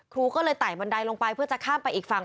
ครูก็เลยไต่บันไดลงไปเพื่อจะข้ามไปอีกฝั่ง